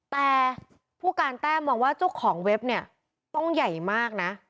แต่ผู้การแต้มมองว่าเจ้าของเว็บเนี่ยต้องใหญ่มากนะ